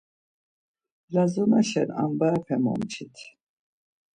Lazonaşen ambarepe momçit.